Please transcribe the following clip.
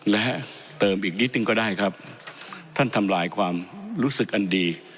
และเติมอีกนิดนึงก็ได้ครับท่านทำลายความรู้สึกอันดี